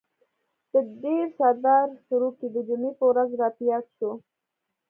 د ډر سردار سروکی د جمعې په ورځ را په ياد شو.